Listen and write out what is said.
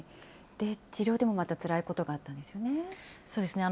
治療でもまたつらいことがあったんですね。